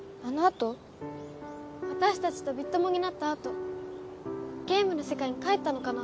私たちとビッ友になった後ゲームの世界に帰ったのかな？